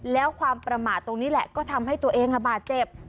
แล้วความประมาทตรงนี้แหละก็ทำให้ตัวเองบาดเจ็บ